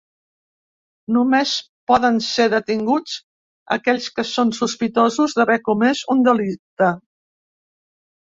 Només poden ser detinguts aquells que són sospitosos d’haver comès un delicte.